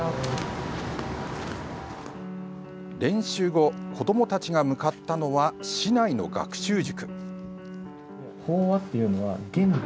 練習後、子どもたちが向かったのは市内の学習塾。